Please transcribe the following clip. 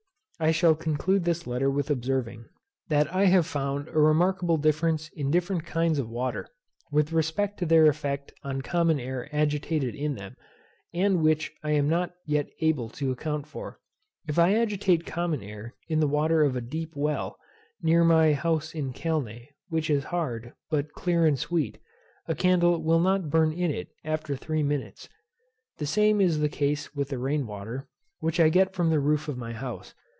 I shall conclude this letter with observing, that I have found a remarkable difference in different kinds of water, with respect to their effect on common air agitated in them, and which I am not yet able to account for. If I agitate common air in the water of a deep well, near my house in Calne, which is hard, but clear and sweet, a candle will not burn in it after three minutes. The same is the case with the rain water, which I get from the roof of my house.